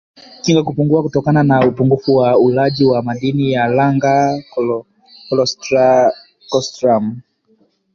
Kinga kupungua kutokana na upungufu wa ulaji wa madini ya danga kolostramu